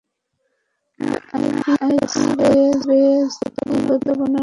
IPH বস্তিসহ বনানী থানা এলাকার বস্তিগুলো মাদকমুক্ত করতে জোরালো অভিযান শুরু হবে।